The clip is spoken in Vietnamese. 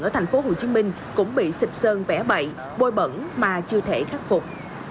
ở thành phố hồ chí minh cũng bị xịt sơn vẽ bậy bôi bẩn mà chưa thể khắc phục